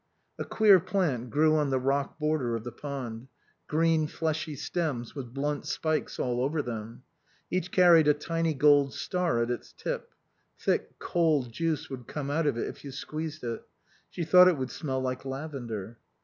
A queer plant grew on the rock border of the pond. Green fleshy stems, with blunt spikes all over them. Each carried a tiny gold star at its tip. Thick, cold juice would come out of it if you squeezed it. She thought it would smell like lavender.